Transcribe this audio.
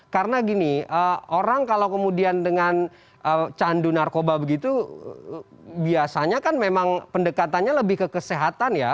karena gini orang kalau kemudian dengan candu narkoba begitu biasanya kan memang pendekatannya lebih ke kesehatan ya